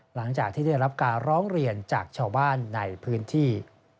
หลังจากที่ได้รับการร้องเรียนจากชาวบ้านในพื้นที่